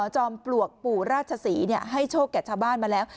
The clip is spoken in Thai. จอมปลวกปู่ราชศรีให้โชคแก่ชาวบ้านมาแล้ว